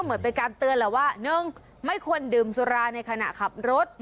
ก็เหมือนไปการเตือนเหรอว่าหนึ่งไม่ควรดื่มสุราในขณะขับรถ